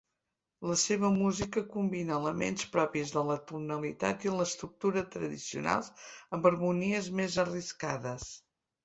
La seva música combina elements propis de la tonalitat i l'estructura tradicionals amb harmonies més arriscades.